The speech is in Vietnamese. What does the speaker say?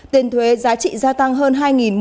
tiền thuế giá trị gia tăng hơn hai một trăm linh